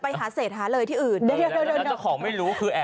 ในขวายเรียกป่อเนี่ยเหรอ